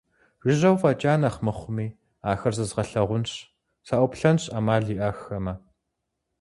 Жыжьэу фӀэкӀа нэхъ мыхъуми, ахэр зэзгъэлъагъунщ, саӀуплъэнщ Ӏэмал иӀэххэмэ.